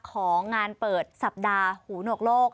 ของงานเปิดสัปดาห์หูหนวกโลก